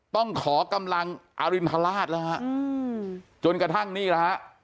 ต้องขอกำลังอรินทราชแล้วฮะจนกระทั่งนี่แหละฮะ